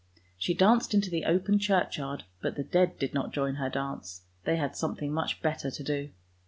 She danced into the open churchyard, but the dead did not join her dance, they had something much better to do.